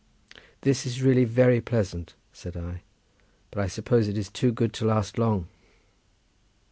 "This is really very pleasant," said I, "but I suppose it is too good to last long."